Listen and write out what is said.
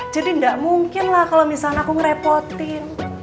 jadi nggak mungkin lah kalau misalnya aku ngerepotin